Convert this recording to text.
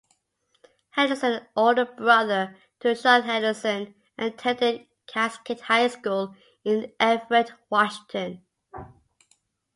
Henderson, older brother to Sean Henderson, attended Cascade High School in Everett, Washington.